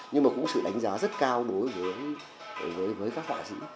nhưng mà cũng sự đánh giá rất cao đối với các họa sĩ